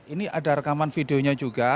ini ada rekaman videonya juga